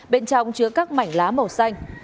bên trong chứa các mảnh lá màu xanh